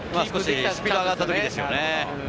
スピードが上がったときですよね。